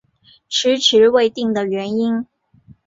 迟迟未定的原因